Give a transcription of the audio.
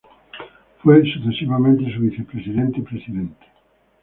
Fue sucesivamente su vicepresidente y presidente.